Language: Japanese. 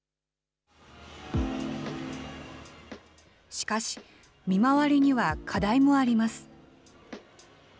しかし、見回りには課題もあります。